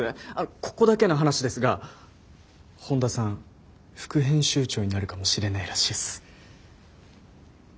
ここだけの話ですが本田さん副編集長になるかもしれないらしいっす。